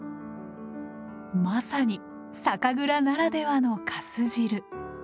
まさに酒蔵ならではの粕汁。